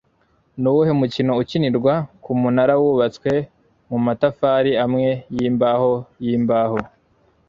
Nuwuhe mukino ukinirwa ku munara wubatswe mu matafari amwe yimbaho yimbaho